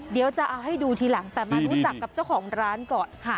เดี๋ยวจะเอาให้ดูทีหลังแต่มารู้จักกับเจ้าของร้านก่อนค่ะ